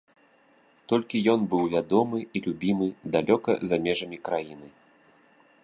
Толькі ён быў вядомы і любімы далёка за межамі краіны.